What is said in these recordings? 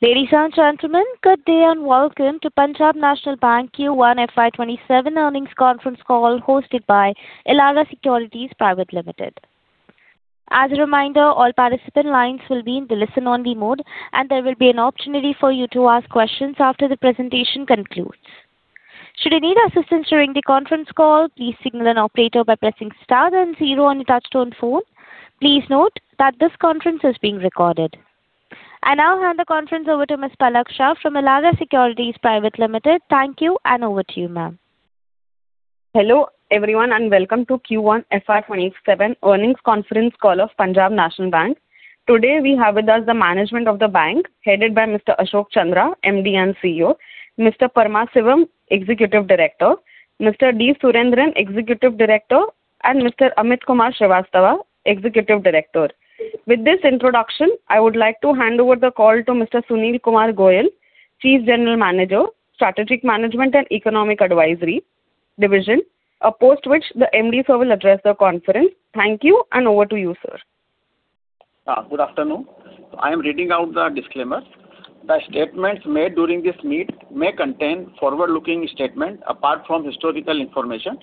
Ladies and gentlemen, good day and welcome to Punjab National Bank Q1 FY 2027 earnings conference call hosted by Elara Securities Private Limited. As a reminder, all participant lines will be in the listen-only mode, and there will be an opportunity for you to ask questions after the presentation concludes. Should you need assistance during the conference call, please signal an operator by pressing star then zero on your touch-tone phone. Please note that this conference is being recorded. I now hand the conference over to Ms. Palak Shah from Elara Securities Private Limited. Thank you. Over to you, ma'am. Hello everyone. Welcome to Q1 FY 2027 earnings conference call of Punjab National Bank. Today we have with us the management of the bank headed by Mr. Ashok Chandra, MD and CEO, Mr. Paramasivam, Executive Director, Mr. D. Surendran, Executive Director, and Mr. Amit Kumar Srivastava, Executive Director. With this introduction, I would like to hand over the call to Mr. Sunil Kumar Goyal, Chief General Manager, Strategic Management and Economic Advisory division, post which the MD sir will address the conference. Thank you. Over to you, sir. Good afternoon. I am reading out the disclaimer. The statements made during this meet may contain forward-looking statements apart from historical information.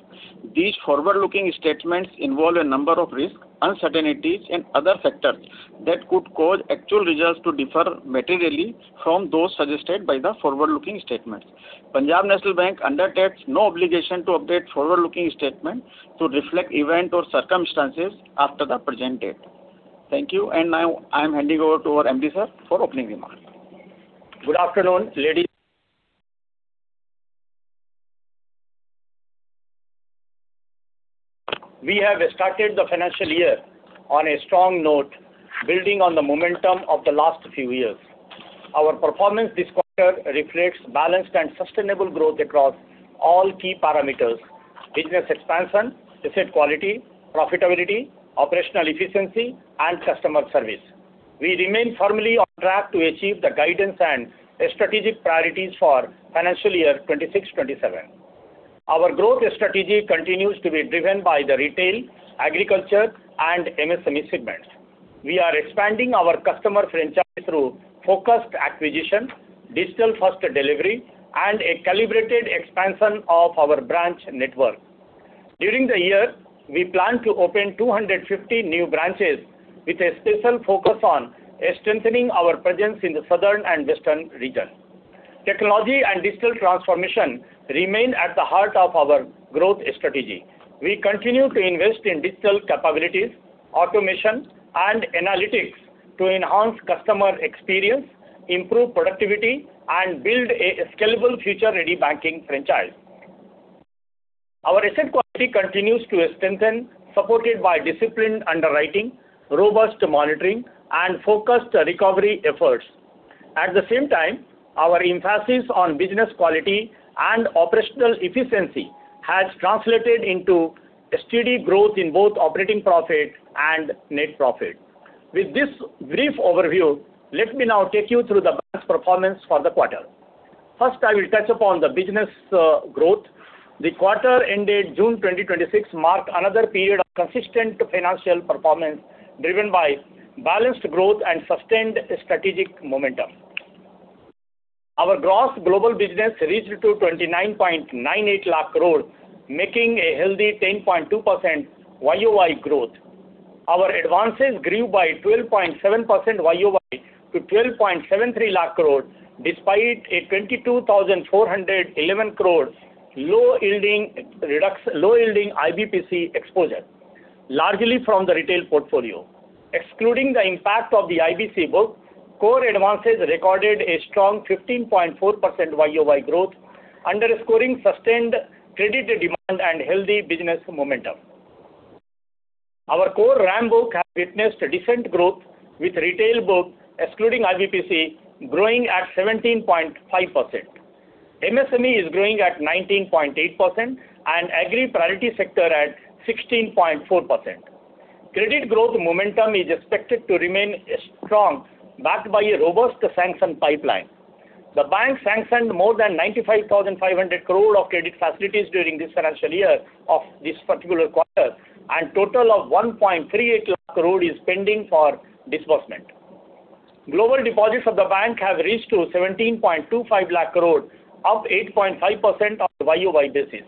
These forward-looking statements involve a number of risks, uncertainties, and other factors that could cause actual results to differ materially from those suggested by the forward-looking statements. Punjab National Bank undertakes no obligation to update forward-looking statements to reflect events or circumstances after the present date. Thank you. Now I am handing over to our MD sir for opening remarks. Good afternoon. We have started the financial year on a strong note, building on the momentum of the last few years. Our performance this quarter reflects balanced and sustainable growth across all key parameters: business expansion, asset quality, profitability, operational efficiency, and customer service. We remain firmly on track to achieve the guidance and strategic priorities for financial year 26/27. Our growth strategy continues to be driven by the retail, agriculture, and MSME segments. We are expanding our customer franchise through focused acquisition, digital-first delivery, and a calibrated expansion of our branch network. During the year, we plan to open 250 new branches with a special focus on strengthening our presence in the southern and western regions. Technology and digital transformation remain at the heart of our growth strategy. We continue to invest in digital capabilities, automation, and analytics to enhance customer experience, improve productivity, and build a scalable future-ready banking franchise. Our asset quality continues to strengthen, supported by disciplined underwriting, robust monitoring, and focused recovery efforts. At the same time, our emphasis on business quality and operational efficiency has translated into steady growth in both operating profit and net profit. With this brief overview, let me now take you through the bank's performance for the quarter. First, I will touch upon the business growth. The quarter ended June 2026 marked another period of consistent financial performance, driven by balanced growth and sustained strategic momentum. Our gross global business reached 29.98 lakh crore, making a healthy 10.2% YOY growth. Our advances grew by 12.7% YOY to 12.73 lakh crore, despite a 22,411 crore low-yielding IBPC exposure, largely from the retail portfolio. Excluding the impact of the IBPC book, core advances recorded a strong 15.4% YOY growth, underscoring sustained credit demand and healthy business momentum. Our core RAM book has witnessed decent growth, with retail book, excluding IBPC, growing at 17.5%. MSME is growing at 19.8%, and Agri priority sector at 16.4%. Credit growth momentum is expected to remain strong, backed by a robust sanction pipeline. The bank sanctioned more than 95,500 crore of credit facilities during this financial year of this particular quarter, and a total of 1.38 lakh crore is pending for disbursement. Global deposits of the bank have reached 17.25 lakh crore, up 8.5% on a YOY basis.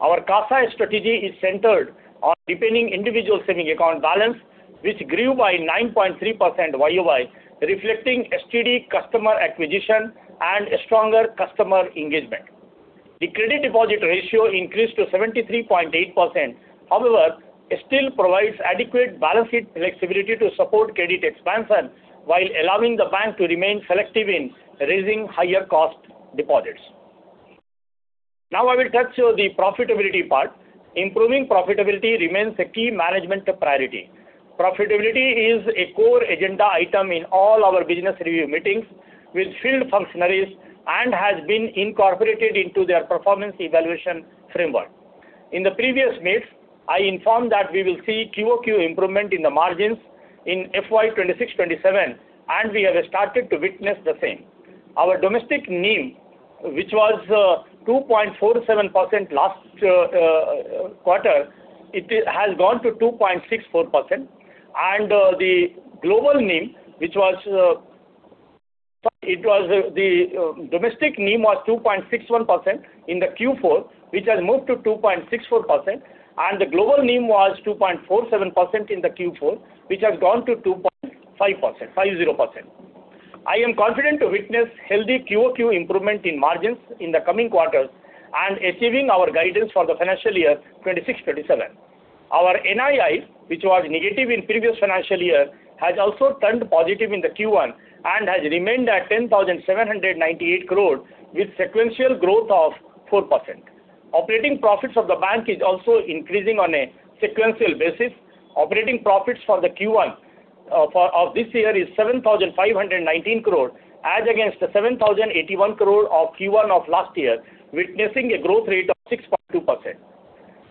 Our CASA strategy is centered on deepening individual saving account balance, which grew by 9.3% YOY, reflecting steady customer acquisition and stronger customer engagement. The credit deposit ratio increased to 73.8%. It still provides adequate balance sheet flexibility to support credit expansion while allowing the bank to remain selective in raising higher cost deposits. Now I will touch on the profitability part. Improving profitability remains a key management priority. Profitability is a core agenda item in all our business review meetings with field functionaries and has been incorporated into their performance evaluation framework. In the previous meet, I informed that we will see QoQ improvement in the margins in FY 26/27. We have started to witness the same. Our global NIM which was 2.47% last quarter, it has gone to 2.64%. The domestic NIM was 2.61% in the Q4, which has moved to 2.64%. The global NIM was 2.47% in the Q4, which has gone to 2.50%. I am confident to witness healthy QoQ improvement in margins in the coming quarters and achieving our guidance for the financial year 26/27. Our NII, which was negative in previous financial year, has also turned positive in the Q1 and has remained at 10,798 crore with sequential growth of 4%. Operating profits of the bank is also increasing on a sequential basis. Operating profits for the Q1 of this year is 7,519 crore, as against the 7,081 crore of Q1 of last year, witnessing a growth rate of 6.2%.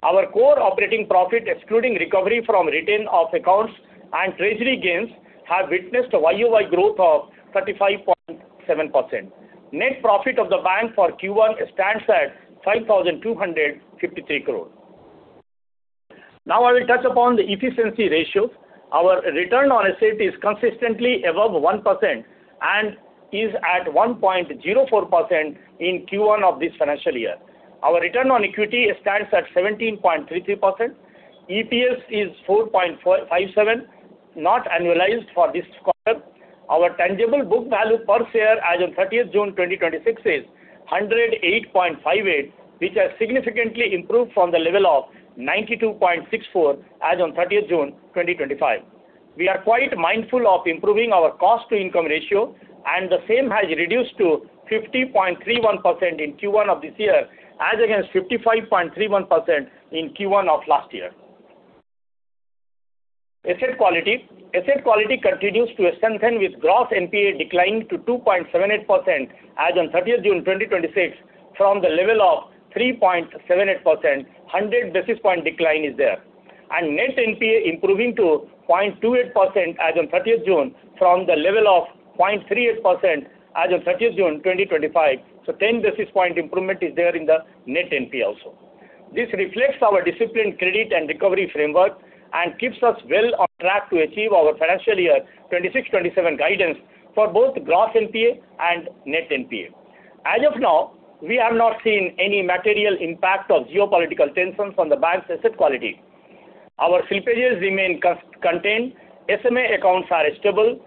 Our core operating profit, excluding recovery from written-off accounts and treasury gains, have witnessed a YOY growth of 35.7%. Net profit of the bank for Q1 stands at 5,253 crore. Now I will touch upon the efficiency ratio. Our return on asset is consistently above 1% and is at 1.04% in Q1 of this financial year. Our return on equity stands at 17.33%. EPS is 4.57, not annualized for this quarter. Our tangible book value per share as on 30th June 2026 is 108.58, which has significantly improved from the level of 92.64 as on 30th June 2025. We are quite mindful of improving our cost-to-income ratio, the same has reduced to 50.31% in Q1 of this year, as against 55.31% in Q1 of last year. Asset quality continues to strengthen with gross NPA declining to 2.78% as on 30th June 2026 from the level of 3.78%. 100 basis point decline is there. Net NPA improving to 0.28% as on 30th June from the level of 0.38% as on 30th June 2025. 10 basis point improvement is there in the net NPA also. This reflects our disciplined credit and recovery framework and keeps us well on track to achieve our financial year 26/27 guidance for both gross NPA and net NPA. As of now, we have not seen any material impact of geopolitical tensions on the bank's asset quality. Our slippages remain contained, SMA accounts are stable,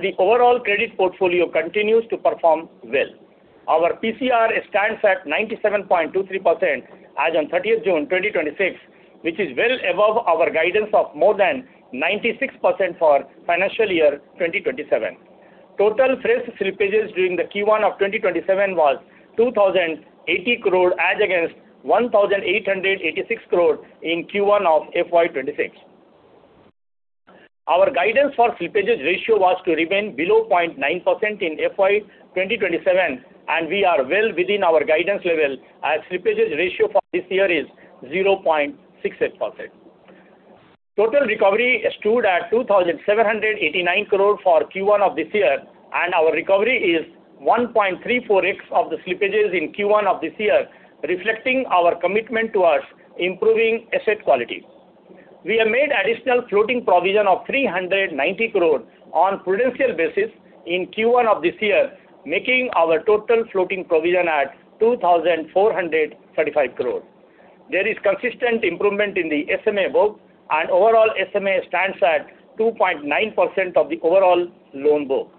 the overall credit portfolio continues to perform well. Our PCR stands at 97.23% as on 30th June 2026, which is well above our guidance of more than 96% for financial year 2027. Total fresh slippages during the Q1 of 2027 was 2,080 crore as against 1,886 crore in Q1 of FY 2026. Our guidance for slippages ratio was to remain below 0.9% in FY 2027, we are well within our guidance level as slippages ratio for this year is 0.68%. Total recovery stood at 2,789 crore for Q1 of this year, our recovery is 1.34x of the slippages in Q1 of this year, reflecting our commitment towards improving asset quality. We have made additional floating provision of 390 crore on prudential basis in Q1 of this year, making our total floating provision at 2,435 crore. There is consistent improvement in the SMA book, overall SMA stands at 2.9% of the overall loan book.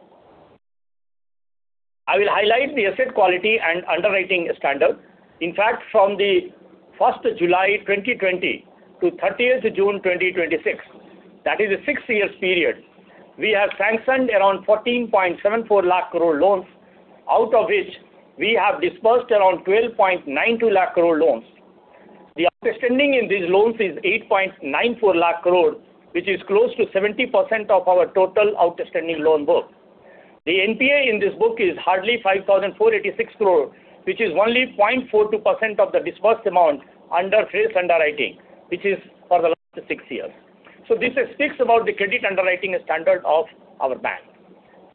I will highlight the asset quality and underwriting standard. In fact, from the 1st July 2020 to 30th June 2026, that is a six-year period, we have sanctioned around 14.74 lakh crore loans, out of which we have disbursed around 12.92 lakh crore loans. The outstanding in these loans is 8.94 lakh crore, which is close to 70% of our total outstanding loan book. The NPA in this book is hardly 5,486 crore, which is only 0.42% of the disbursed amount under fresh underwriting, which is for the last six years. This speaks about the credit underwriting standard of our bank.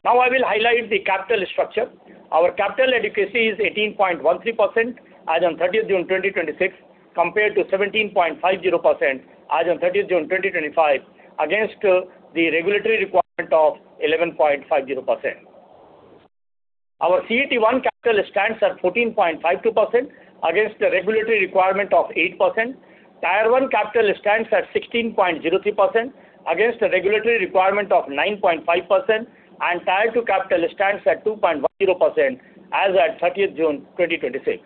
I will highlight the capital structure. Our capital adequacy is 18.13% as on 30th June 2026, compared to 17.50% as on 30th June 2025 against the regulatory requirement of 11.50%. Our CET1 capital stands at 14.52% against the regulatory requirement of 8%. Tier 1 capital stands at 16.03% against the regulatory requirement of 9.5%, Tier 2 capital stands at 2.10% as at 30th June 2026.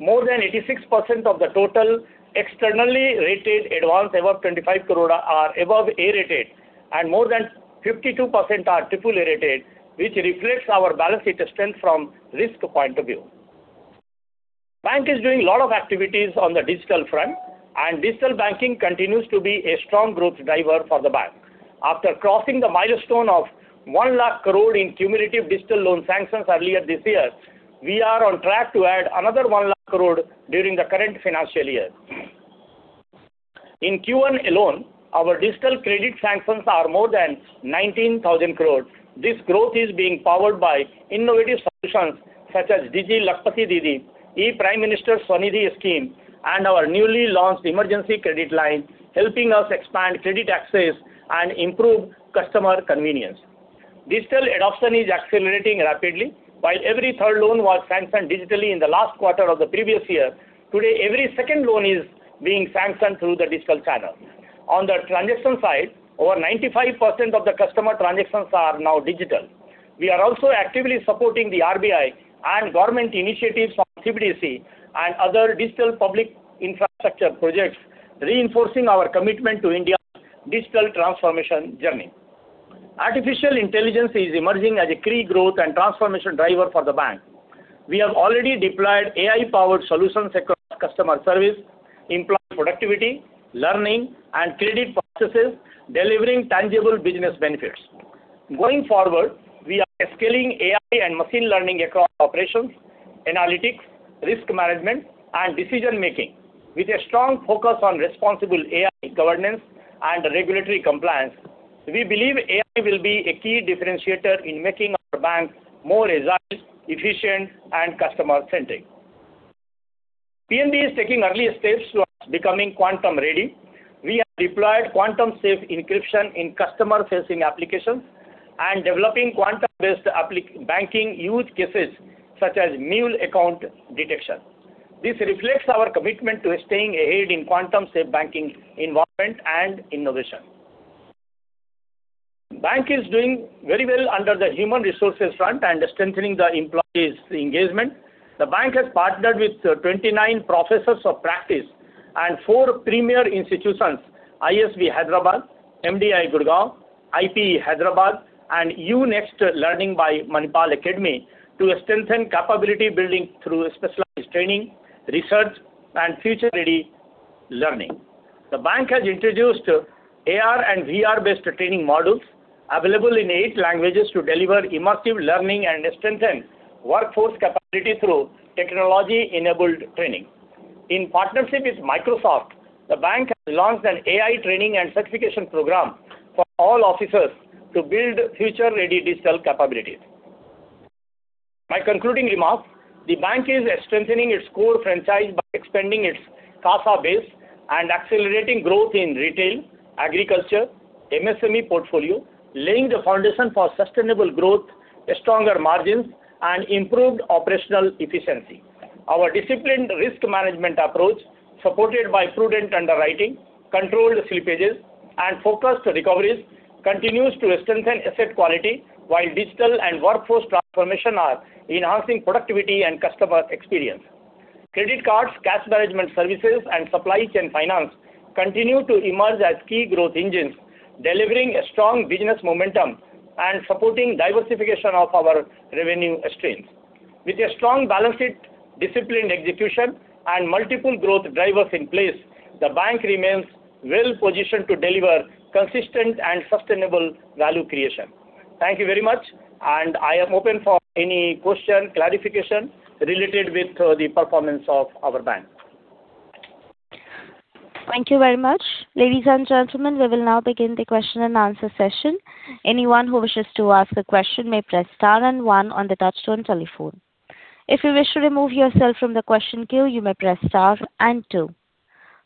More than 86% of the total externally rated advance above 25 crore are above A rated and more than 52% are AAA rated, which reflects our balance sheet strength from risk point of view. Bank is doing lot of activities on the digital front, digital banking continues to be a strong growth driver for the bank. After crossing the milestone of 1 lakh crore in cumulative digital loan sanctions earlier this year, we are on track to add another 1 lakh crore during the current financial year. In Q1 alone, our digital credit sanctions are more than 19,000 crore. This growth is being powered by innovative solutions such as Digi Lakshmi Yojna, PM SVANidhi Scheme, and our newly launched emergency credit line, helping us expand credit access and improve customer convenience. Digital adoption is accelerating rapidly. While every third loan was sanctioned digitally in the last quarter of the previous year, today, every second loan is being sanctioned through the digital channel. On the transaction side, over 95% of the customer transactions are now digital. We are also actively supporting the RBI and government initiatives on CBDC and other digital public infrastructure projects, reinforcing our commitment to India's digital transformation journey. Artificial intelligence is emerging as a key growth and transformation driver for the bank. We have already deployed AI-powered solutions across customer service, employee productivity, learning, and credit processes, delivering tangible business benefits. Going forward, we are scaling AI and machine learning across operations, analytics, risk management, and decision-making. With a strong focus on responsible AI governance and regulatory compliance, we believe AI will be a key differentiator in making our bank more resilient, efficient, and customer-centric. PNB is taking early steps towards becoming quantum-ready. We have deployed quantum safe encryption in customer-facing applications and developing quantum-based banking use cases such as mule account detection. This reflects our commitment to staying ahead in quantum safe banking environment and innovation. Bank is doing very well under the human resources front and strengthening the employees' engagement. The bank has partnered with 29 professors of practice and four premier institutions, ISB Hyderabad, MDI Gurgaon, IPE Hyderabad, and UNext Learning by Manipal Academy, to strengthen capability building through specialized training, research, and future-ready learning. The bank has introduced AR and VR-based training models available in eight languages to deliver immersive learning and strengthen workforce capability through technology-enabled training. In partnership with Microsoft, the bank has launched an AI training and certification program for all officers to build future-ready digital capabilities. My concluding remark, the bank is strengthening its core franchise by expanding its CASA base and accelerating growth in retail, agriculture, MSME portfolio, laying the foundation for sustainable growth, stronger margins, and improved operational efficiency. Our disciplined risk management approach, supported by prudent underwriting, controlled slippages, and focused recoveries, continues to strengthen asset quality, while digital and workforce transformation are enhancing productivity and customer experience. Credit cards, cash management services, and supply chain finance continue to emerge as key growth engines, delivering strong business momentum and supporting diversification of our revenue streams. With a strong balance sheet, disciplined execution, and multiple growth drivers in place, the bank remains well-positioned to deliver consistent and sustainable value creation. Thank you very much, and I am open for any question, clarification related with the performance of our bank. Thank you very much. Ladies and gentlemen, we will now begin the question and answer session. Anyone who wishes to ask a question may press star and one on the touchtone telephone. If you wish to remove yourself from the question queue, you may press star and two.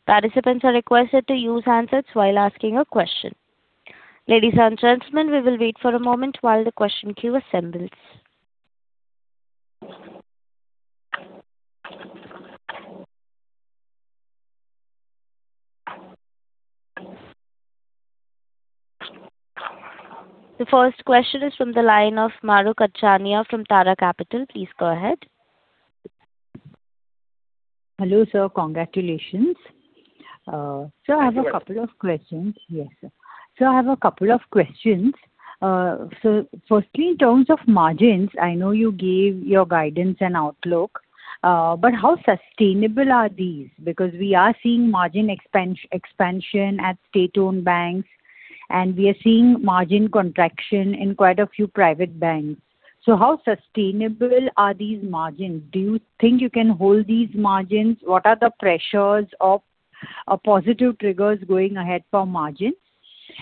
Participants are requested to use handsets while asking a question. Ladies and gentlemen, we will wait for a moment while the question queue assembles. The first question is from the line of Mahrukh Adajania from Elara Capital. Please go ahead. Hello, sir. Congratulations. Thank you. Sir, I have a couple of questions. Yes, sir. I have a couple of questions. Firstly, in terms of margins, I know you gave your guidance and outlook, but how sustainable are these? Because we are seeing margin expansion at state-owned banks, and we are seeing margin contraction in quite a few private banks. How sustainable are these margins? Do you think you can hold these margins? What are the pressures of positive triggers going ahead for margins?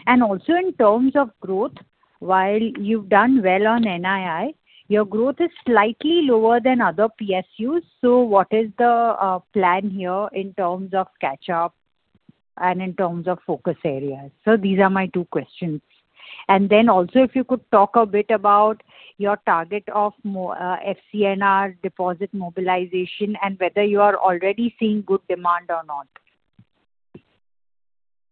Also in terms of growth, while you've done well on NII, your growth is slightly lower than other PSUs. What is the plan here in terms of catch-up and in terms of focus areas? Sir, these are my two questions. Then also if you could talk a bit about your target of FCNR deposit mobilization and whether you are already seeing good demand or not.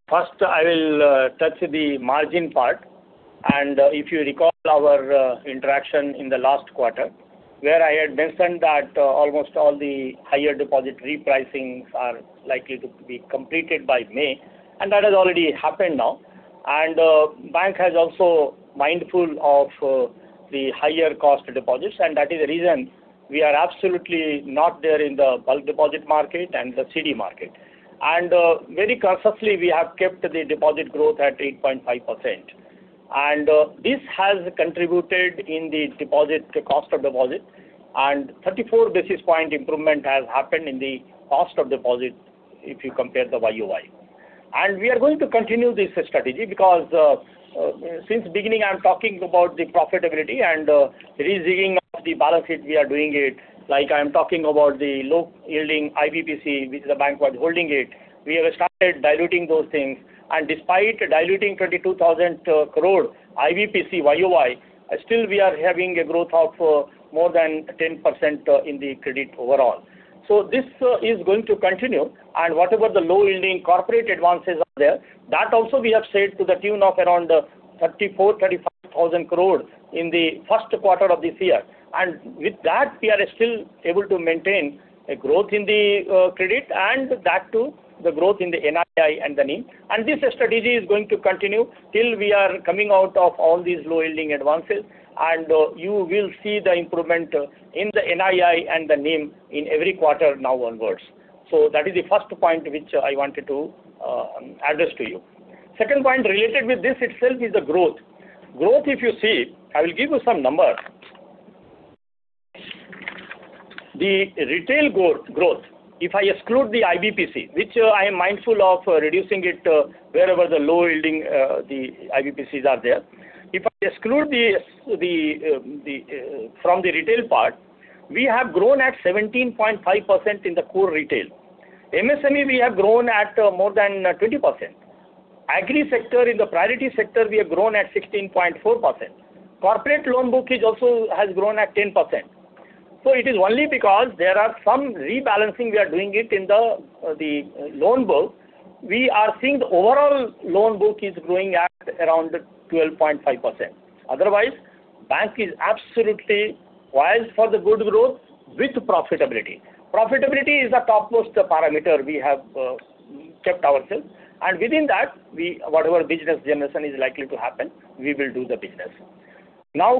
First, I will touch the margin part. If you recall our interaction in the last quarter where I had mentioned that almost all the higher deposit repricings are likely to be completed by May, that has already happened now. The bank is also mindful of the higher cost deposits, that is the reason we are absolutely not there in the bulk deposit market and the CD market. Very consciously, we have kept the deposit growth at 8.5%. This has contributed in the cost of deposit, and 34 basis point improvement has happened in the cost of deposit if you compare the YOY. We are going to continue this strategy because since beginning, I am talking about the profitability and re-jigging of the balance sheet, we are doing it. Like I am talking about the low yielding IBPC, which the bank was holding it. We have started diluting those things. Despite diluting 22,000 crore IBPC YOY, still we are having a growth of more than 10% in the credit overall. This is going to continue. Whatever the low yielding corporate advances are there, that also we have sold to the tune of around 34,000 crore-35,000 crore in the first quarter of this year. With that, we are still able to maintain a growth in the credit and that too, the growth in the NII and the NIM. This strategy is going to continue till we are coming out of all these low yielding advances. You will see the improvement in the NII and the NIM in every quarter now onwards. That is the first point which I wanted to address to you. Second point related with this itself is the growth. Growth, if you see, I will give you some numbers. The retail growth, if I exclude the IBPC, which I am mindful of reducing it wherever the low yielding IBPCs are there. If I exclude from the retail part, we have grown at 17.5% in the core retail. MSME, we have grown at more than 20%. Agri sector, in the priority sector, we have grown at 16.4%. Corporate loan book also has grown at 10%. It is only because there are some rebalancing we are doing in the loan book. We are seeing the overall loan book is growing at around 12.5%. Otherwise, bank is absolutely vying for the good growth with profitability. Profitability is a topmost parameter we have kept ourselves, and within that, whatever business generation is likely to happen, we will do the business.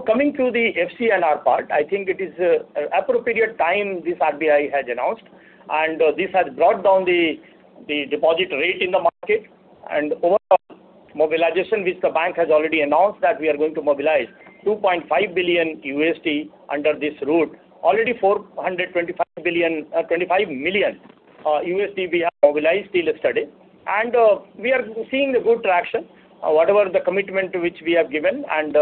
Coming to the FCNR part, I think it is appropriate time this RBI has announced, this has brought down the deposit rate in the market and overall mobilization, which the bank has already announced that we are going to mobilize $2.5 billion under this route. Already $425 million we have mobilized till yesterday. We are seeing a good traction. Whatever the commitment which we have given and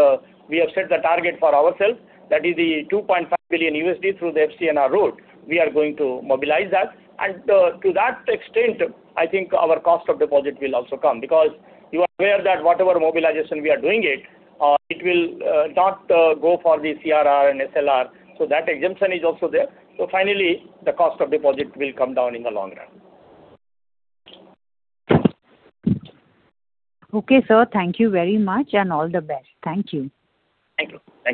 we have set the target for ourselves, that is the $2.5 billion through the FCNR route, we are going to mobilize that. To that extent, I think our cost of deposit will also come because you are aware that whatever mobilization we are doing, it will not go for the CRR and SLR. That exemption is also there. Finally, the cost of deposit will come down in the long run. Okay, sir. Thank you very much and all the best. Thank you. Thank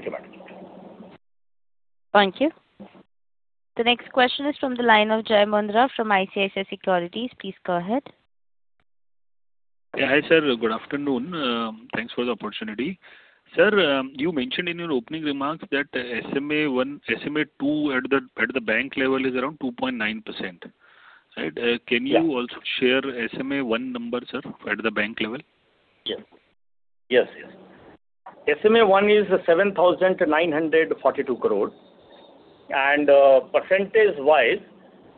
you, madam. Thank you. The next question is from the line of Jai Mundhra from ICICI Securities. Please go ahead. Hi, sir. Good afternoon. Thanks for the opportunity. Sir, you mentioned in your opening remarks that SMA 2 at the bank level is around 2.9%, right? Yeah. Can you also share SMA 1 number, sir, at the bank level? Yes. SMA 1 is INR 7,942 crore. Percentage-wise,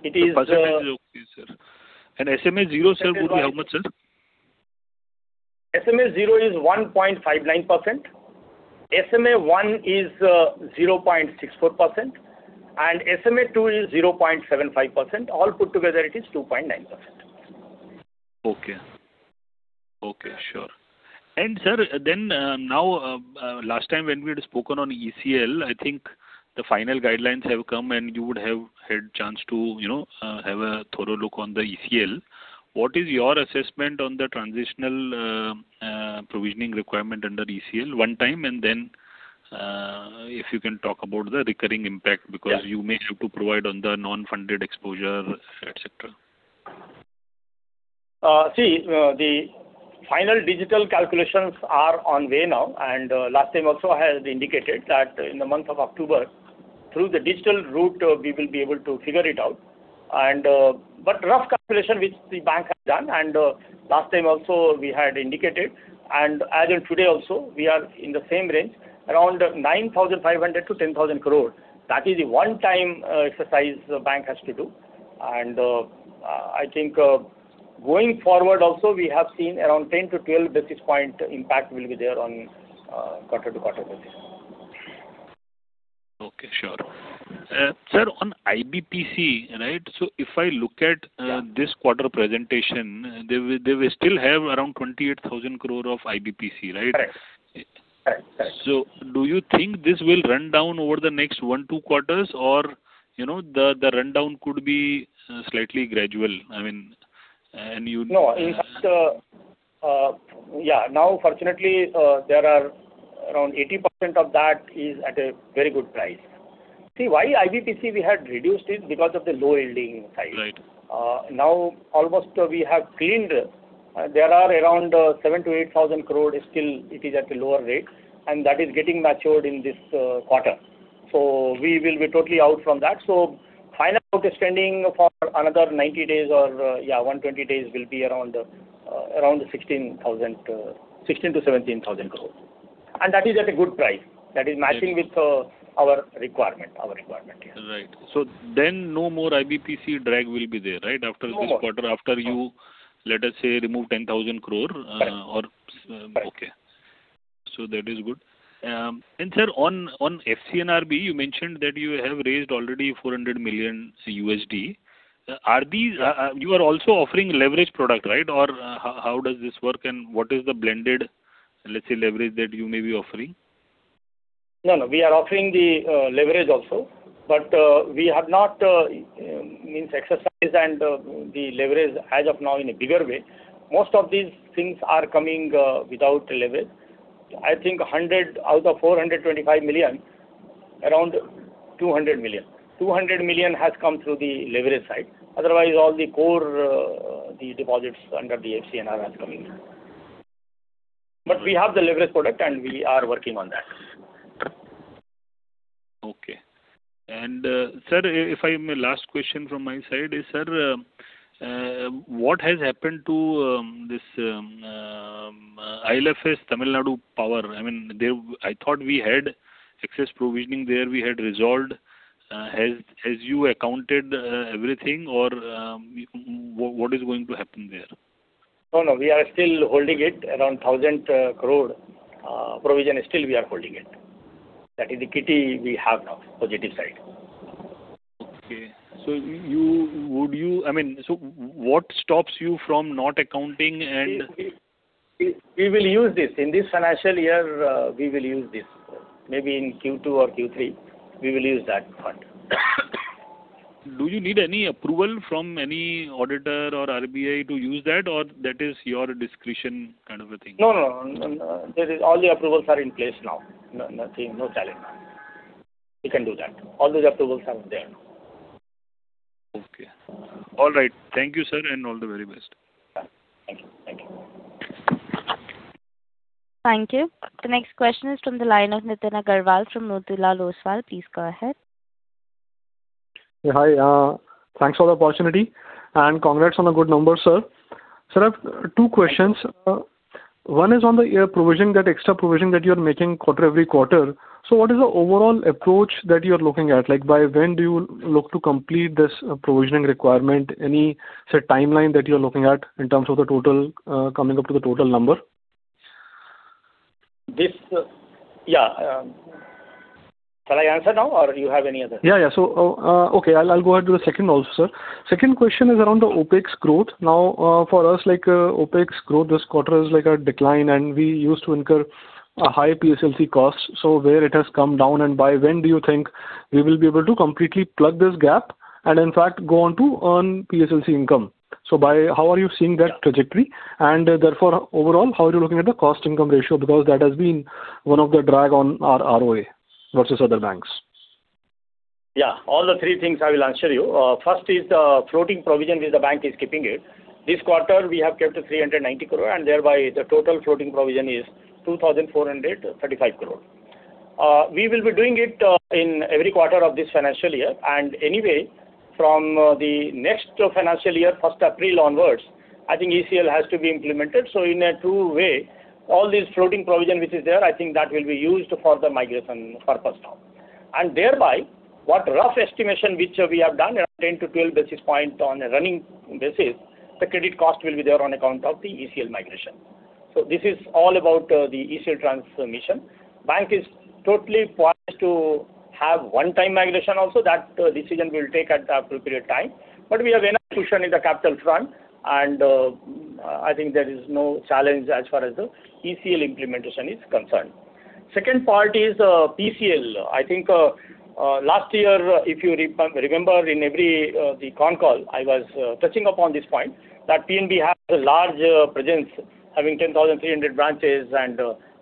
it is. SMA 0, sir, would be how much, sir? SMA 0 is 1.59%, SMA 1 is 0.64%, and SMA 2 is 0.75%. All put together, it is 2.9%. Okay. Sure. Sir, now, last time when we had spoken on ECL, I think the final guidelines have come and you would have had chance to have a thorough look on the ECL. What is your assessment on the transitional provisioning requirement under ECL, one-time, and then if you can talk about the recurring impact because- Yeah you may have to provide on the non-funded exposure, et cetera. The final digital calculations are on way now, last time also I had indicated that in the month of October, through the digital route, we will be able to figure it out. Rough calculation, which the bank has done, last time also we had indicated, as in today also, we are in the same range, around 9,500 crore to 10,000 crore. That is a one-time exercise the bank has to do. I think going forward also, we have seen around 10 to 12 basis point impact will be there on quarter-to-quarter basis. Okay, sure. Sir, on IBPC, if I look at- Yeah This quarter presentation, they will still have around 28,000 crore of IBPC, right? Correct. Do you think this will run down over the next one, two quarters or the rundown could be slightly gradual? I mean? No. In fact, now fortunately, around 80% of that is at a very good price. See why IBPC we had reduced it because of the low yielding side. Right. Now, almost we have cleaned. There are around 7,000 crore-8,000 crore still it is at a lower rate, and that is getting matured in this quarter. We will be totally out from that. Final outspending for another 90 days or 120 days will be around 16,000 crore-17,000 crore. That is at a good price that is matching with our requirement. Right. No more IBPC drag will be there, right? After this quarter, after you, let us say, remove 10,000 crore. Right. Okay. That is good. Sir, on FCNRB, you mentioned that you have raised already $400 million. You are also offering leverage product, right? How does this work and what is the blended, let's say, leverage that you may be offering? No, we are offering the leverage also, but we have not exercised the leverage as of now in a bigger way. Most of these things are coming without leverage. I think out of $425 million, around $200 million. $200 million has come through the leverage side. Otherwise, all the core deposits under the FCNR are coming in. We have the leverage product and we are working on that. Okay. Sir, my last question from my side is, sir, what has happened to this IL&FS Tamil Nadu Power? I thought we had excess provisioning there, we had resolved. Has you accounted everything or what is going to happen there? No, we are still holding it around 1,000 crore. Provision, still we are holding it. That is the kitty we have now, positive side. Okay. What stops you from not accounting? We will use this. In this financial year, we will use this. Maybe in Q2 or Q3, we will use that fund. Do you need any approval from any auditor or RBI to use that, or that is your discretion kind of a thing? No. All the approvals are in place now. Nothing, no challenge now. We can do that. All the approvals are there now. Okay. All right. Thank you, sir, and all the very best. Thank you. Thank you. The next question is from the line of Nitin Aggarwal from Motilal Oswal. Please go ahead. Hi. Thanks for the opportunity and congrats on the good number, sir. Sir, I have two questions. One is on the year provision, that extra provision that you're making every quarter. What is the overall approach that you're looking at? By when do you look to complete this provisioning requirement? Any, say, timeline that you're looking at in terms of coming up to the total number? Shall I answer now or you have any other? Yeah. Okay. I'll go ahead to the second also, sir. Second question is around the OpEx growth. Now, for us, OpEx growth this quarter is at a decline and we used to incur a high PSLC cost. Where it has come down and by when do you think we will be able to completely plug this gap and in fact, go on to earn PSLC income? How are you seeing that trajectory, and therefore overall, how are you looking at the cost-income ratio? Because that has been one of the drag on our ROA versus other banks. Yeah. All the three things I will answer you. First is the floating provision which the bank is keeping it. This quarter, we have kept 390 crore, and thereby the total floating provision is 2,435 crore. We will be doing it in every quarter of this financial year, and anyway, from the next financial year, 1st April onwards, I think ECL has to be implemented. In a true way, all this floating provision which is there, I think that will be used for the migration purpose now. Thereby, what rough estimation which we have done around 10 to 12 basis point on a running basis, the credit cost will be there on account of the ECL migration. This is all about the ECL transformation. Bank is totally poised to have one-time migration also. That decision we'll take at the appropriate time. We have enough cushion in the capital front, I think there is no challenge as far as the ECL implementation is concerned. Second part is PSLC. I think last year, if you remember in every con call, I was touching upon this point, that PNB has a large presence having 10,300 branches and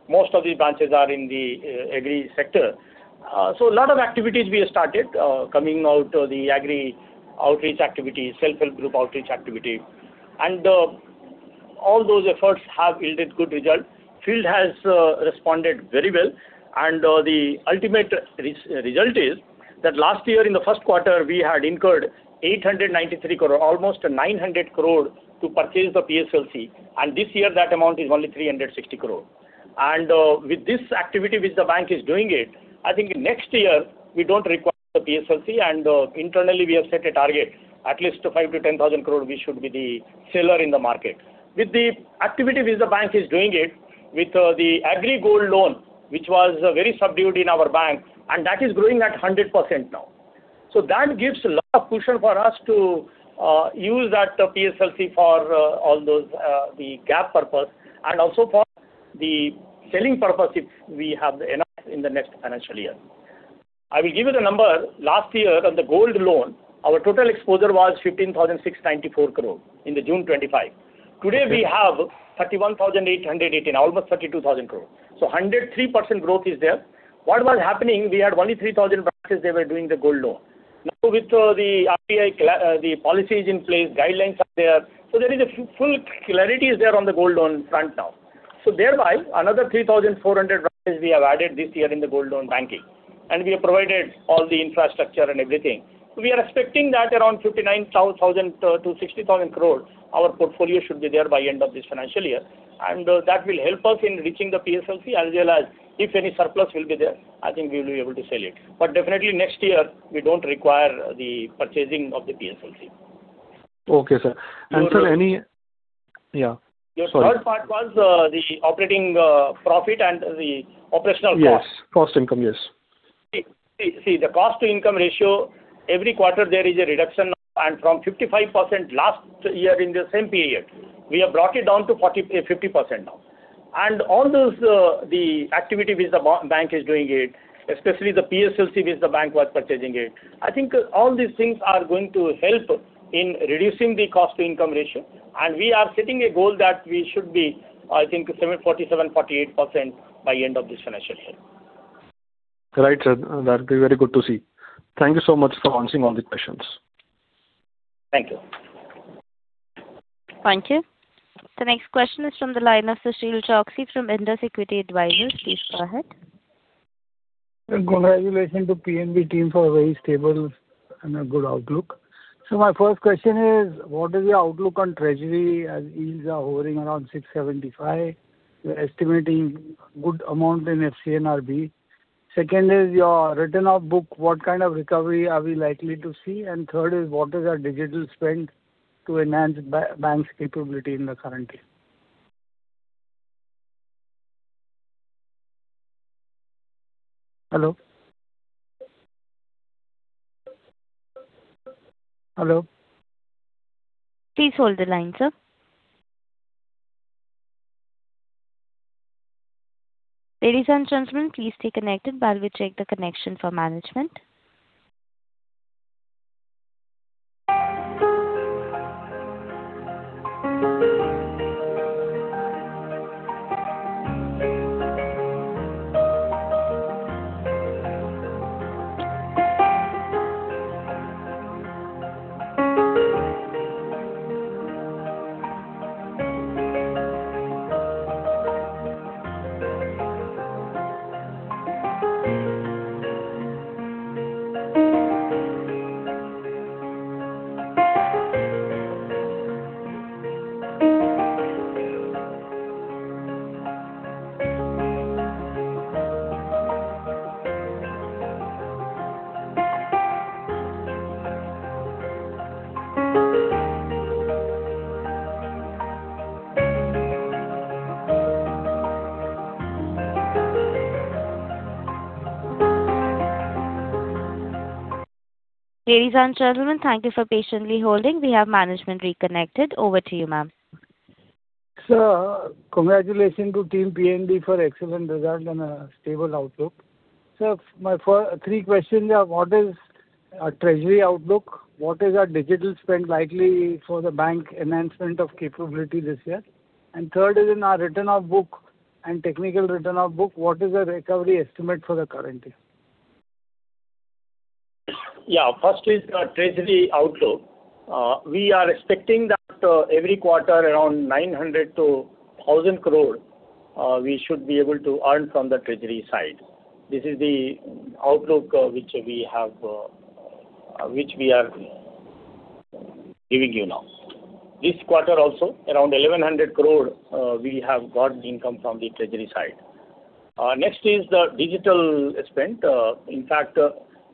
most of these branches are in the agri sector. A lot of activities we have started, coming out the agri outreach activities, self-help group outreach activity, and all those efforts have yielded good result. Field has responded very well, and the ultimate result is that last year in the first quarter, we had incurred 893 crore, almost 900 crore to purchase the PSLC, and this year that amount is only 360 crore. With this activity which the bank is doing it, I think next year we don't require the PSLC and internally we have set a target at least 5,000 crore-10,000 crore we should be the seller in the market. With the activity which the bank is doing it, with the agri gold loan, which was very subdued in our bank, that is growing at 100% now. That gives a lot of cushion for us to use that PSLC for all those gap purpose and also for the selling purpose if we have enough in the next financial year. I will give you the number. Last year on the gold loan, our total exposure was 15,694 crore in the June 2025. Today we have 31,818 crore, almost 32,000 crore. 103% growth is there. What was happening, we had only 3,000 branches, they were doing the gold loan. Now with the RBI, the policy is in place, guidelines are there. There is a full clarity is there on the gold loan front now. Thereby, another 3,400 branches we have added this year in the gold loan banking, and we have provided all the infrastructure and everything. We are expecting that around 59,000 crore-60,000 crore, our portfolio should be there by end of this financial year. That will help us in reaching the PSLC as well as if any surplus will be there, I think we will be able to sell it. Definitely next year, we don't require the purchasing of the PSLC. Okay, sir. Sir any. Sorry. Your third part was the operating profit and the operational cost. Yes. Cost income, yes. See, the cost to income ratio, every quarter there is a reduction. From 55% last year in the same period, we have brought it down to 50% now. All those, the activity which the bank is doing it, especially the PSLC which the bank was purchasing it, I think all these things are going to help in reducing the cost to income ratio. We are setting a goal that we should be, I think, 47%-48% by end of this financial year. Right, sir. That will be very good to see. Thank you so much for answering all the questions. Thank you. Thank you. The next question is from the line of Sushil Choksey from Indus Equity Advisors. Please go ahead. Sir, congratulations to PNB team for a very stable and a good outlook. My first question is, what is your outlook on treasury as yields are hovering around 675, you are estimating good amount in FCNRB. Second is your written off book, what kind of recovery are we likely to see? Third is, what is our digital spend to enhance bank's capability in the current year? Hello? Hello? Please hold the line, sir. Ladies and gentlemen, please stay connected while we check the connection for management. Ladies and gentlemen, thank you for patiently holding. We have management reconnected. Over to you, ma'am. Sir, congratulations to team PNB for excellent result and a stable outlook. Sir, my three questions are, what is our treasury outlook? What is our digital spend likely for the bank enhancement of capability this year? Third is in our written off book and technical written off book, what is the recovery estimate for the current year? First is our treasury outlook. We are expecting that every quarter, around 900 crore to 1,000 crore, we should be able to earn from the treasury side. This is the outlook which we are giving you now. This quarter also, around 1,100 crore, we have got the income from the treasury side. Next is the digital spend. In fact,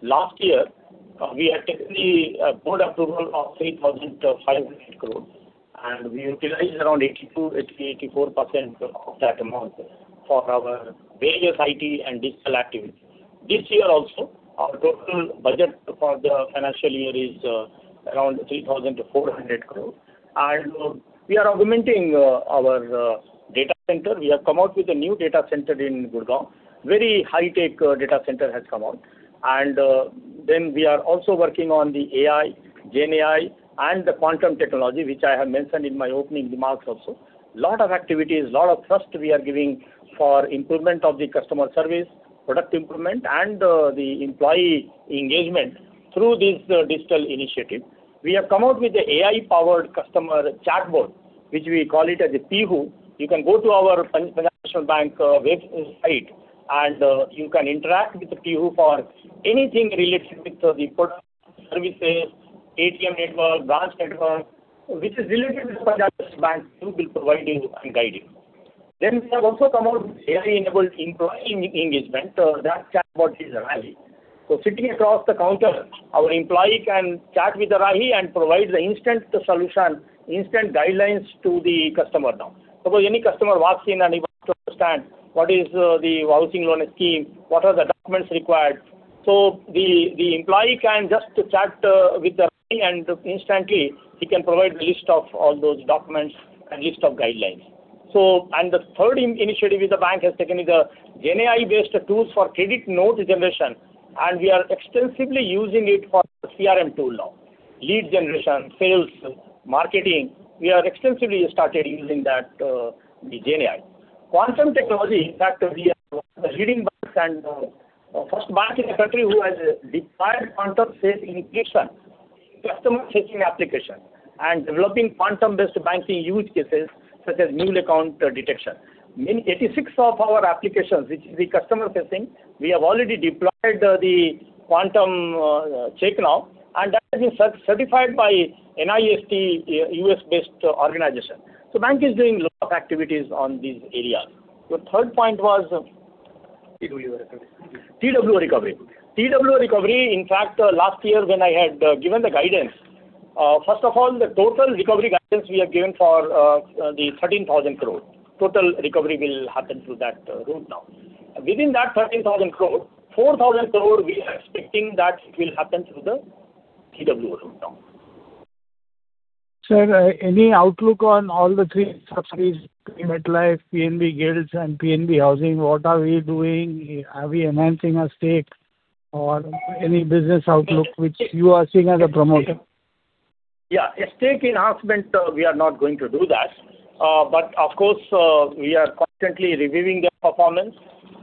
last year, we had taken the board approval of 3,500 crore and we utilized around 82%-84% of that amount for our various IT and digital activities. This year also, our total budget for the financial year is around 3,400 crore and we are augmenting our data center. We have come out with a new data center in Gurgaon. Very high-tech data center has come out. Then we are also working on the AI, GenAI, and the quantum technology, which I have mentioned in my opening remarks also. Lot of activities, lot of thrust we are giving for improvement of the customer service, product improvement, and the employee engagement through this digital initiative. We have come out with the AI-powered customer chatbot, which we call it as a PIHU. You can go to our Punjab National Bank website, you can interact with the PIHU for anything related with the product, services, ATM network, branch network, which is related with Punjab National Bank, PIHU will provide you and guide you. We have also come out with AI-enabled employee engagement. That chatbot is Arahi. Sitting across the counter, our employee can chat with Arahi and provide the instant solution, instant guidelines to the customer now. Suppose any customer walks in and he wants to understand what is the housing loan scheme, what are the documents required. The employee can just chat with Arahi and instantly he can provide the list of all those documents and list of guidelines. The third initiative which the bank has taken is a GenAI-based tools for credit note generation, and we are extensively using it for CRM tool now. Lead generation, sales, marketing, we are extensively started using that GenAI. Quantum technology, in fact, we are one of the leading banks and first bank in the country who has deployed quantum safe encryption. Customer-facing application and developing quantum-based banking use cases such as new account detection. 86 of our applications, which is the customer-facing, we have already deployed the quantum check now, and that has been certified by NIST, a U.S.-based organization. The bank is doing a lot of activities on these areas. The third point was- PWA recovery. PWO recovery. PWO recovery, in fact, last year when I had given the guidance, first of all, the total recovery guidance we have given for the 13,000 crore. Total recovery will happen through that route now. Within that 13,000 crore, 4,000 crore we are expecting that will happen through the PWA route now. Sir, any outlook on all the three subsidiaries, MetLife, PNB Gilts, and PNB Housing, what are we doing? Are we enhancing our stake or any business outlook which you are seeing as a promoter? Yeah. Stake enhancement, we are not going to do that. Of course, we are constantly reviewing their performance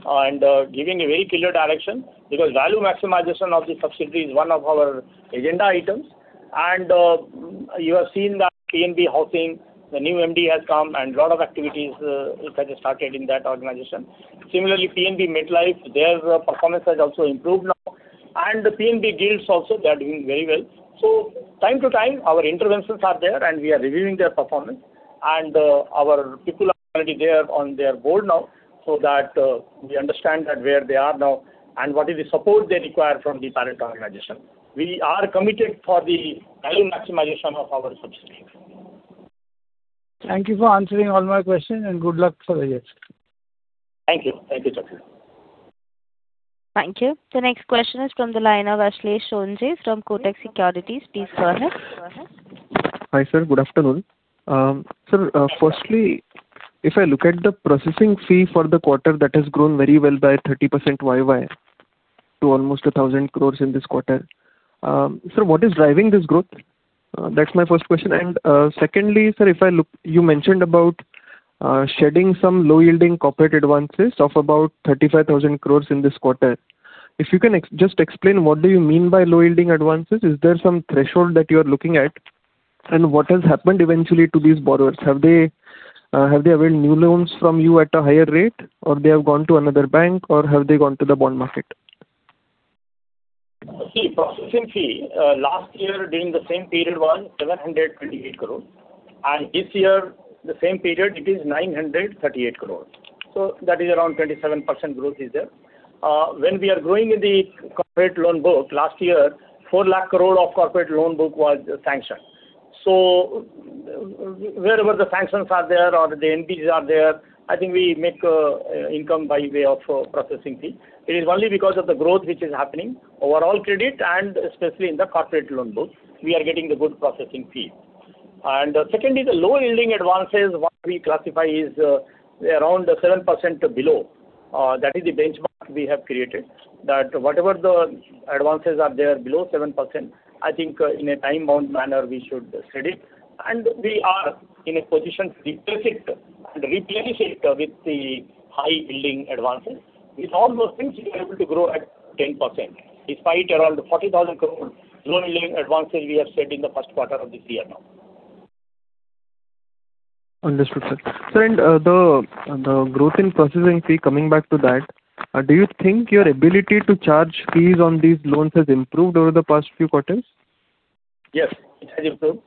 and giving a very clear direction because value maximization of the subsidiary is one of our agenda items. You have seen that PNB Housing, the new MD has come and lot of activities which have started in that organization. Similarly, PNB MetLife, their performance has also improved now, and PNB Gilts also, they are doing very well. Time to time, our interventions are there, and we are reviewing their performance. Our people are already there on their board now so that we understand that where they are now and what is the support they require from the parent organization. We are committed for the value maximization of our subsidiaries. Thank you for answering all my questions and good luck for the year. Thank you. Thank you. The next question is from the line of Ashlesh Sonje from Kotak Securities. Please go ahead. Hi, sir. Good afternoon. Sir, firstly, if I look at the processing fee for the quarter, that has grown very well by 30% YOY to almost 1,000 crores in this quarter. Sir, what is driving this growth? That's my first question. Secondly, sir, you mentioned about shedding some low-yielding corporate advances of about 35,000 crores in this quarter. If you can just explain what do you mean by low-yielding advances. Is there some threshold that you are looking at? What has happened eventually to these borrowers? Have they availed new loans from you at a higher rate, or they have gone to another bank, or have they gone to the bond market? Processing fee, last year during the same period was 728 crore, and this year, the same period, it is 938 crore. That is around 27% growth is there. When we are growing in the corporate loan book, last year, 4 lakh crore of corporate loan book was sanctioned. Wherever the sanctions are there or the NPAs are there, I think we make income by way of processing fee. It is only because of the growth which is happening, overall credit, and especially in the corporate loan book, we are getting the good processing fee. Secondly, the low-yielding advances, what we classify is around 7% below. That is the benchmark we have created, that whatever the advances are there below 7%, I think in a time-bound manner, we should shed it. We are in a position to decrease it and replenish it with the high-yielding advances. With all those things, we are able to grow at 10%, despite around 40,000 crore low-yielding advances we have shed in the first quarter of this year now. Understood, sir. Sir, the growth in processing fee, coming back to that, do you think your ability to charge fees on these loans has improved over the past few quarters? Yes, it has improved.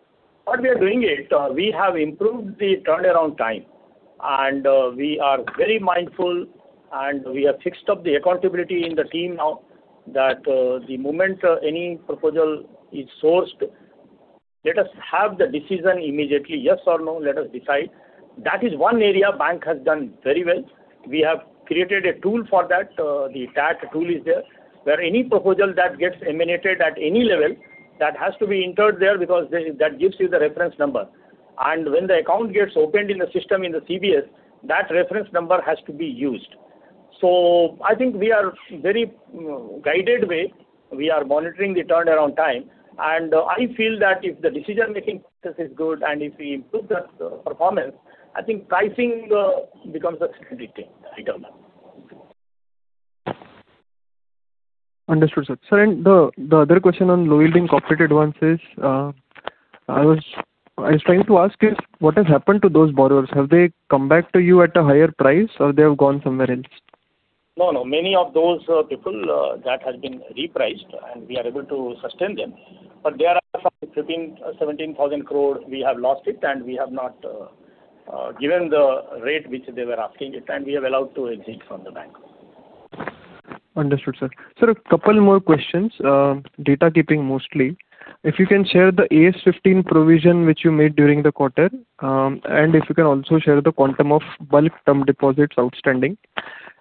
What we are doing is, we have improved the turnaround time, we are very mindful, and we have fixed up the accountability in the team now that the moment any proposal is sourced, let us have the decision immediately, yes or no, let us decide. That is one area bank has done very well. We have created a tool for that. The TAT tool is there, where any proposal that gets emanated at any level, that has to be entered there because that gives you the reference number. When the account gets opened in the system in the CBS, that reference number has to be used. I think we are very guided way. We are monitoring the turnaround time. I feel that if the decision-making process is good and if we improve that performance, I think pricing becomes a secondary thing right now. Understood, sir. Sir, the other question on low-yielding corporate advances. I was trying to ask is, what has happened to those borrowers? Have they come back to you at a higher price, or they have gone somewhere else? No. Many of those people that has been repriced, we are able to sustain them. There are some 15,000 crore, 17,000 crore, we have lost it, we have not given the rate which they were asking it, we have allowed to exit from the bank. Understood, sir. Sir, a couple more questions, data keeping mostly. If you can share the AS 15 provision which you made during the quarter, if you can also share the quantum of bulk term deposits outstanding.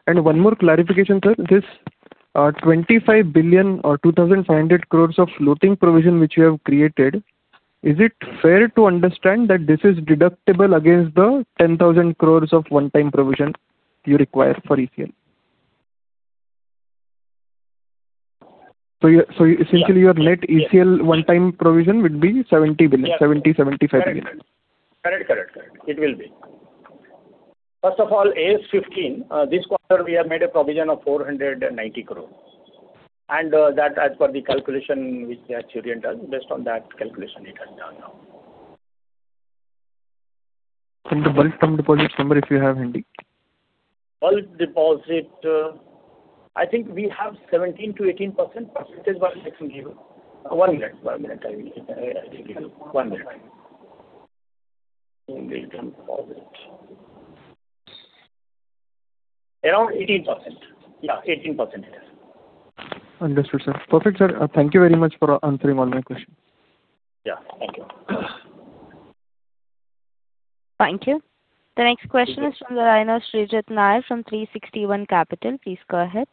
One more clarification, sir. This 25 billion or 2,500 crore of floating provision which you have created, is it fair to understand that this is deductible against the 10,000 crore of one-time provision you require for ECL? Essentially your net ECL one-time provision would be 70 billion-75 billion. Correct. It will be. First of all, AS 15, this quarter we have made a provision of 490 crore. That as per the calculation which the actuary has done, based on that calculation it has done now. From the bulk term deposit number, if you have handy. Bulk deposit, I think we have 17%-18%. Percentage-wise I can give you. One minute, I will give you. One minute. Around 18%. Yeah, 18% it is. Understood, sir. Perfect, sir. Thank you very much for answering all my questions. Yeah, thank you. Thank you. The next question is from the line of Shreejit Nair from 361 Capital. Please go ahead.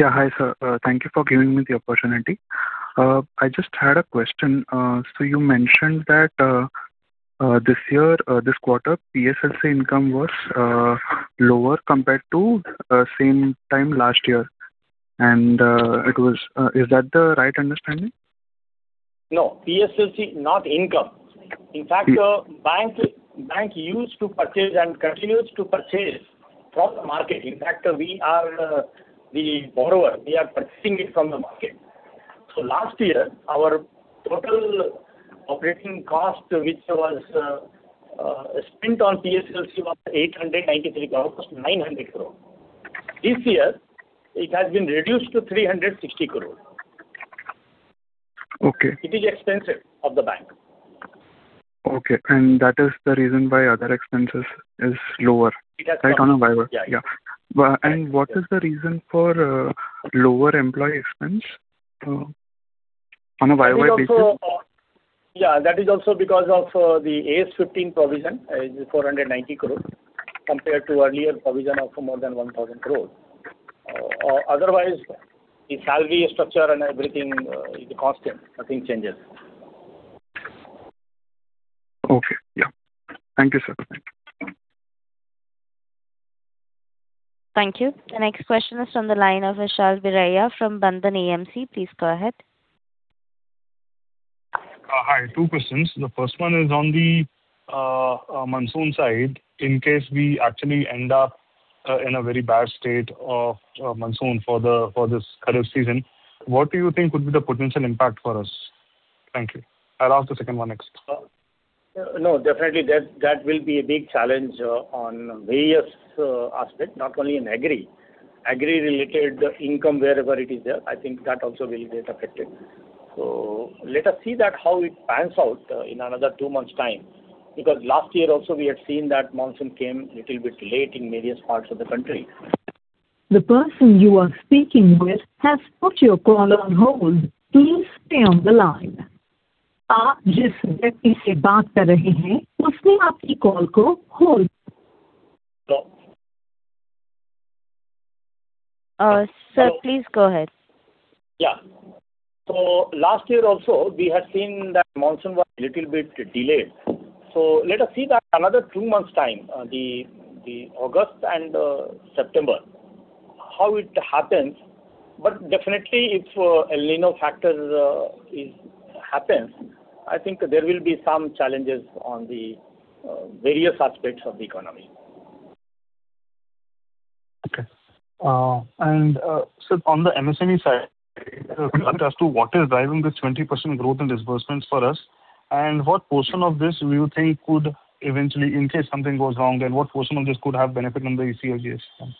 Yeah. Hi, sir. Thank you for giving me the opportunity. I just had a question. You mentioned that this quarter, PSLC income was lower compared to same time last year. Is that the right understanding? No. PSLC, not income. In fact, bank used to purchase and continues to purchase from the market. In fact, we are the borrower. We are purchasing it from the market. Last year, our total operating cost which was spent on PSLC was 893 crore, almost 900 crore. This year it has been reduced to 360 crore. Okay. It is expensive of the bank. Okay. That is the reason why other expenses is lower. It has gone. Right, on a Y-over-Y. Yeah. What is the reason for lower employee expense on a YOY basis? Yeah, that is also because of the AS 15 provision, is 490 crore compared to earlier provision of more than 1,000 crore. Otherwise, the salary structure and everything is constant. Nothing changes. Okay. Yeah. Thank you, sir. Thank you. The next question is from the line of Vishal Biraia from Bandhan AMC. Please go ahead. Hi. Two questions. The first one is on the monsoon side. In case we actually end up in a very bad state of monsoon for this current season, what do you think would be the potential impact for us? Thank you. I'll ask the second one next. No, definitely that will be a big challenge on various aspect, not only in agri. Agri related income wherever it is there, I think that also will get affected. Let us see that how it pans out in another two months' time. Last year also we had seen that monsoon came little bit late in various parts of the country. The person you are speaking with has put your call on hold. Please stay on the line. Sir, please go ahead. Yeah. Last year also, we had seen that monsoon was little bit delayed. Let us see that another two months' time, the August and September, how it happens. Definitely if El Niño factor happens, I think there will be some challenges on the various aspects of the economy. Okay. Sir, on the MSME side, could you elaborate as to what is driving this 20% growth in disbursements for us? In case something goes wrong, what portion of this could have benefit under the ECLGS scheme?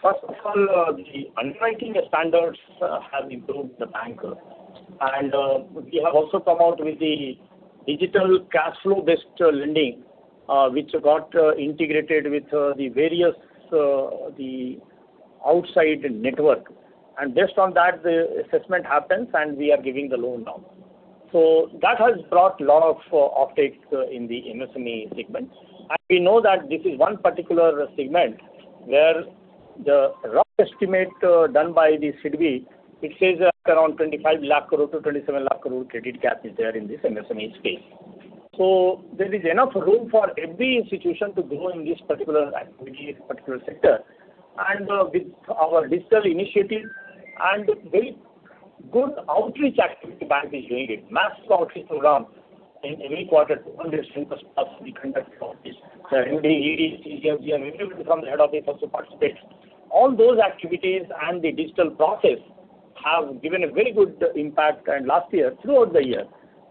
First of all, the underwriting standards have improved in the bank. We have also come out with the digital cash flow-based lending, which got integrated with the various outside network. Based on that, the assessment happens, and we are giving the loan now. That has brought lot of optics in the MSME segment. We know that this is one particular segment where the rough estimate done by the SIDBI, it says around 25 lakh crore to 27 lakh crore credit gap is there in this MSME space. There is enough room for every institution to grow in this particular sector. With our digital initiative and very good outreach activity bank is doing it, massive outreach program in every quarter, 200 centers are being conducted for this. The MD, ED, CG, MG, everybody from the head office also participates. All those activities and the digital process have given a very good impact. Last year, throughout the year,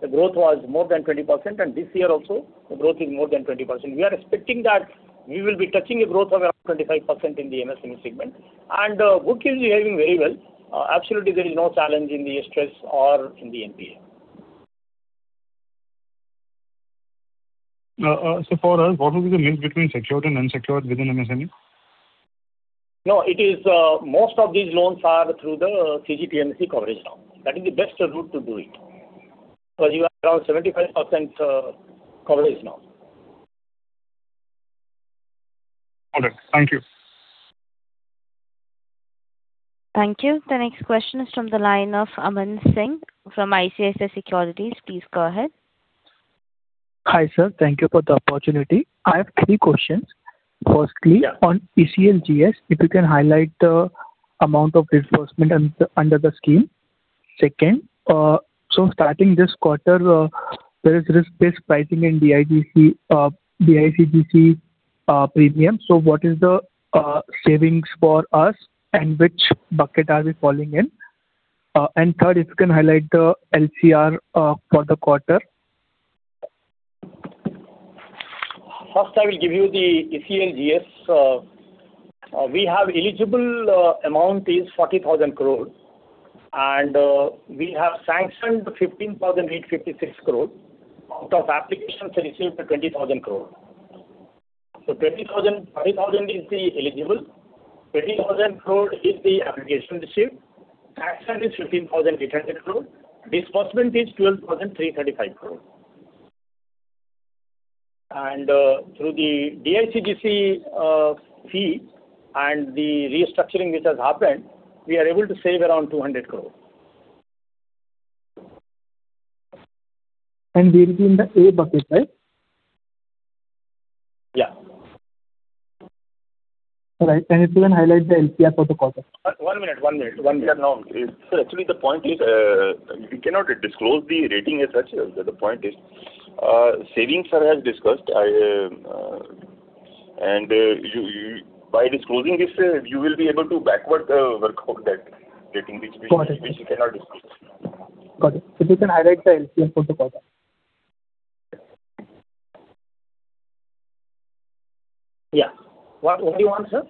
the growth was more than 20%, and this year also the growth is more than 20%. We are expecting that we will be touching a growth of around 25% in the MSME segment. Book is behaving very well. Absolutely, there is no challenge in the stress or in the NPA. For us, what will be the mix between secured and unsecured within MSME? No. Most of these loans are through the CGTMSE coverage now. That is the best route to do it, because you have around 75% coverage now. Got it. Thank you. Thank you. The next question is from the line of Aman Singh from ICICI Securities. Please go ahead. Hi, sir. Thank you for the opportunity. I have three questions. Firstly, on ECLGS, if you can highlight the amount of disbursement under the scheme. Second, starting this quarter, there is risk-based pricing in DICGC premium. What is the savings for us and which bucket are we falling in? Third, if you can highlight the LCR for the quarter. First, I will give you the ECLGS. We have eligible amount is 20,000 crore and we have sanctioned 15,856 crore out of applications received for 20,000 crore. 20,000 is the eligible, 20,000 crore is the applications received, sanctioned is 15,830 crore, disbursement is 12,335 crore. Through the DICGC fee and the restructuring which has happened, we are able to save around 200 crore. We will be in the A bucket, right? Yeah. All right. If you can highlight the LCR for the quarter. One minute. Sir, no. Actually, the point is, we cannot disclose the rating as such. The point is, savings are as discussed. By disclosing this, you will be able to backward work out that rating which we cannot disclose. Got it. If you can highlight the LCR for the quarter. Yeah. What do you want, sir?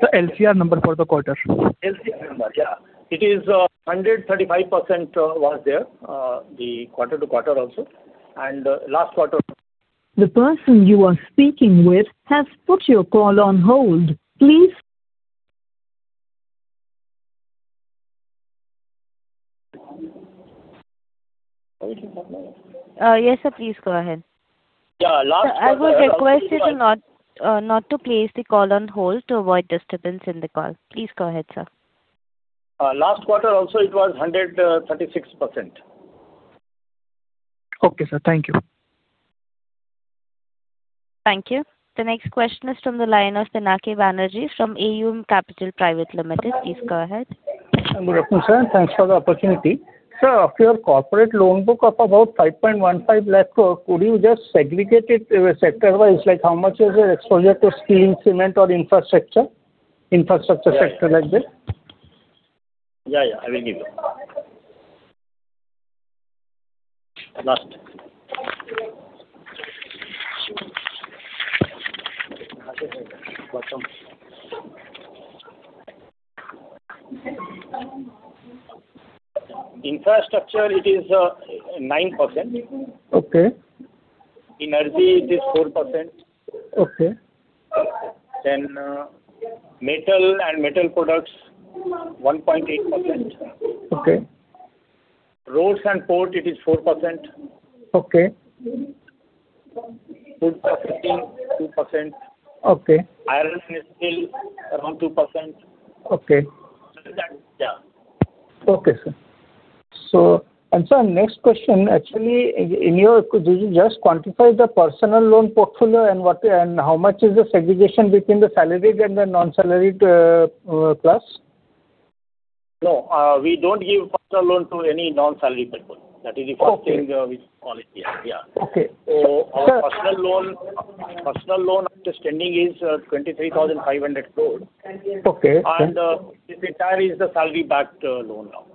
Sir, LCR number for the quarter. LCR number. Yeah. It is 135% was there, the quarter-to-quarter also, last quarter- The person you are speaking with has put your call on hold. Yes, sir. Please go ahead. Yeah, last quarter also it was- Sir, I will request you not to place the call on hold to avoid disturbance in the call. Please go ahead, sir. Last quarter also it was 136%. Okay, sir. Thank you. Thank you. The next question is from the line of Pinaki Banerjee from AUM Capital Private Limited. Please go ahead. Good afternoon, sir, and thanks for the opportunity. Sir, of your corporate loan book of about 5.15 lakh crore, could you just segregate it sector-wise, like how much is your exposure to steel, cement or infrastructure sector like this? Yeah. I will give you. Last. Infrastructure it is 9%. Okay. Energy it is 4%. Okay. Metal and metal products 1.8%. Okay. Roads and port it is 4%. Okay. Food processing 2%. Okay. Iron and steel around 2%. Okay. That's it. Yeah. Okay, sir. Sir, next question. Actually, could you just quantify the personal loan portfolio and how much is the segregation between the salaried and the non-salaried class? No. We don't give personal loan to any non-salaried people. That is the first thing we follow here. Yeah. Okay. Our personal loan outstanding is 23,500 crore. Okay. It's entirely the salary-backed loan now.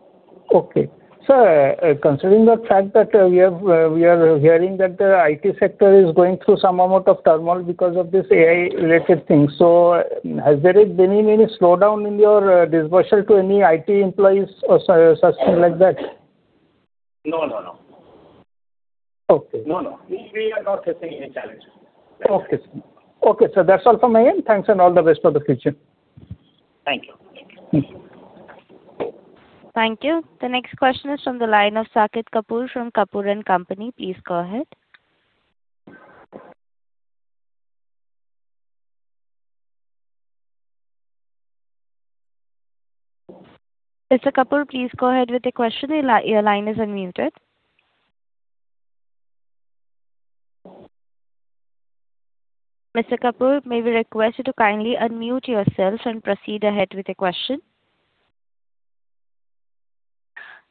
Okay. Sir, considering the fact that we are hearing that the IT sector is going through some amount of turmoil because of this AI-related thing. Has there been any slowdown in your disbursement to any IT employees or something like that? No. Okay. No. We are not facing any challenge. Okay, sir. That's all from my end. Thanks and all the best for the future. Thank you. Thank you. The next question is from the line of Saket Kapoor from Kapoor & Company. Please go ahead. Mr. Kapoor, please go ahead with your question. Your line is unmuted. Mr. Kapoor, may we request you to kindly unmute yourself and proceed ahead with your question.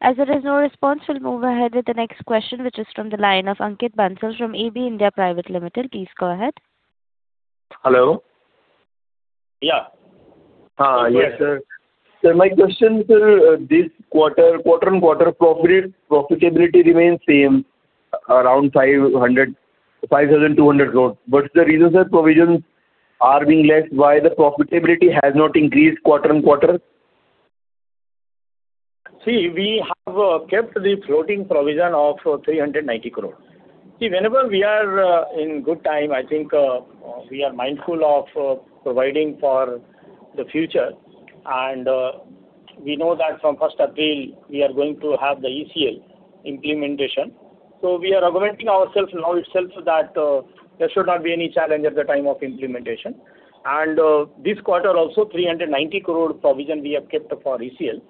As there is no response, we'll move ahead with the next question, which is from the line of Ankit Bansal from AB India Private Limited. Please go ahead. Hello. Yeah. Yes, sir. Sir, my question, this quarter-on-quarter profitability remains same, around 5,200 crore. What's the reason sir provisions are being less, why the profitability has not increased quarter-on-quarter? See, we have kept the floating provision of 390 crore. See, whenever we are in good time, I think we are mindful of providing for the future. We know that from 1st April, we are going to have the ECL implementation. We are augmenting ourselves now itself so that there should not be any challenge at the time of implementation. This quarter also, 390 crore provision we have kept for ECL.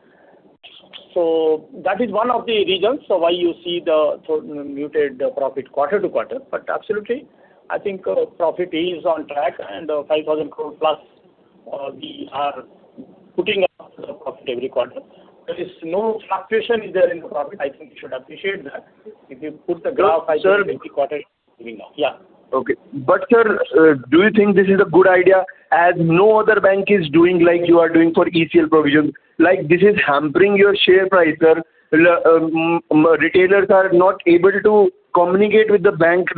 That is one of the reasons why you see the muted profit quarter-to-quarter. Absolutely, I think profit is on track and 5,000 crore plus we are putting up the profit every quarter. There is no fluctuation there in the profit. I think you should appreciate that. If you put the graph. Sir. I think every quarter, even now. Yeah. Okay. Sir, do you think this is a good idea as no other bank is doing like you are doing for ECL provision? This is hampering your share price, sir. Retailers are not able to communicate with the bank.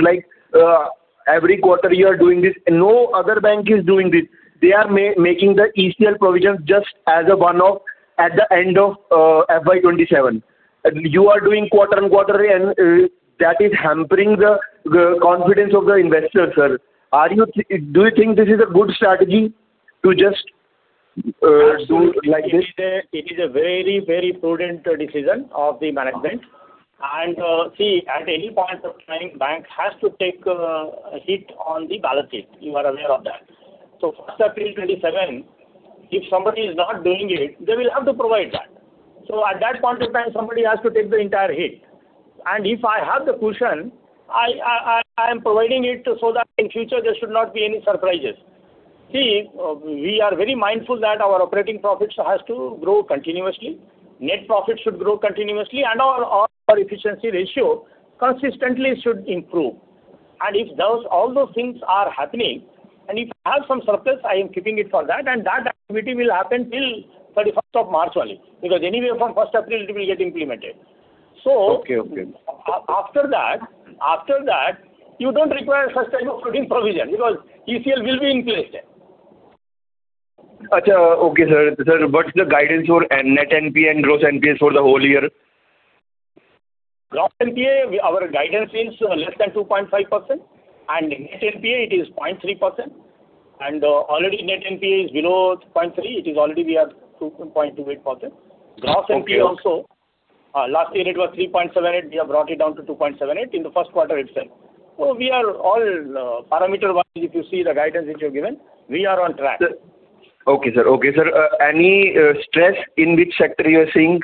Every quarter you are doing this, no other bank is doing this. They are making the ECL provisions just as a one-off at the end of FY 2027. You are doing quarter-on-quarterly, that is hampering the confidence of the investor, sir. Do you think this is a good strategy to just do it like this? It is a very, very prudent decision of the management. See, at any point of time, bank has to take a hit on the balance sheet. You are aware of that. 1st April 2027, if somebody is not doing it, they will have to provide that. At that point of time, somebody has to take the entire hit. If I have the cushion, I am providing it so that in future there should not be any surprises. See, we are very mindful that our operating profits has to grow continuously, net profit should grow continuously, and our efficiency ratio consistently should improve. If all those things are happening, if I have some surplus, I am keeping it for that, and that activity will happen till 31st of March only, because anyway from 1st April it will get implemented. Okay. After that, you don't require such type of provision because ECL will be in place then. Okay, sir. Sir, what's the guidance for net NPA and gross NPAs for the whole year? Gross NPA, our guidance is less than 2.5%. Net NPA, it is 0.3%. Already net NPA is below 0.3%. It is already we are at 0.28%. Okay. Gross NPA also, last year it was 3.78%. We have brought it down to 2.78% in the first quarter itself. We are, all parameter-wise, if you see the guidance which we have given, we are on track. Okay, sir. Any stress in which sector you are seeing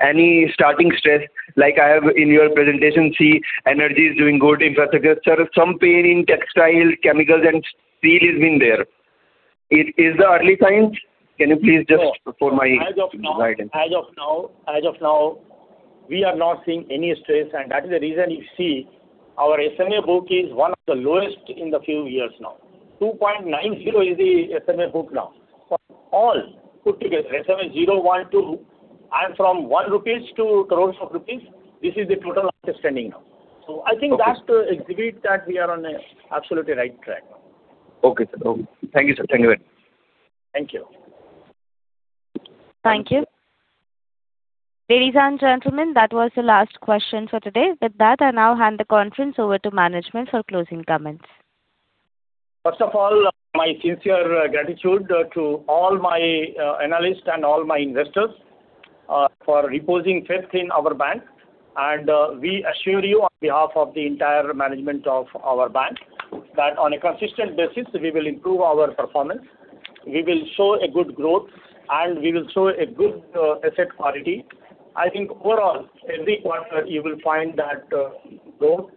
any starting stress? I have in your presentation, see energy is doing good, infrastructure. Sir, some pain in textile, chemicals, and steel is being there. It is the early signs. Can you please just for my guidance. As of now, we are not seeing any stress, and that is the reason you see our SMA book is one of the lowest in the few years now. 2.90% is the SMA book now for all put together. SMA 012 and from 1 rupees to crores of rupees, this is the total outstanding now. I think that exhibits that we are on a absolutely right track. Okay, sir. Thank you, sir. Thank you very much. Thank you. Thank you. Ladies and gentlemen, that was the last question for today. I now hand the conference over to management for closing comments. First of all, my sincere gratitude to all my analysts and all my investors for reposing faith in our bank. We assure you on behalf of the entire management of our bank that on a consistent basis, we will improve our performance, we will show a good growth, and we will show a good asset quality. I think overall, every quarter you will find that growth,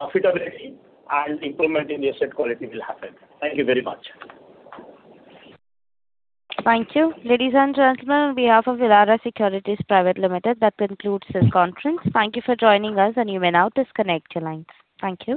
profitability, and improvement in the asset quality will happen. Thank you very much. Thank you. Ladies and gentlemen, on behalf of Elara Securities Private Limited, that concludes this conference. Thank you for joining us, and you may now disconnect your lines. Thank you.